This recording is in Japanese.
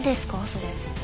それ。